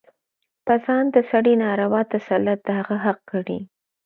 پر ځان د سړي ناروا تسلط د هغه حق ګڼي.